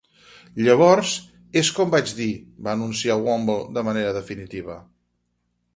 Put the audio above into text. Llavors és com vaig dir, va anunciar Womble de manera definitiva.